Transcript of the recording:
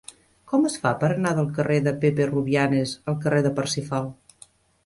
Com es fa per anar del carrer de Pepe Rubianes al carrer de Parsifal?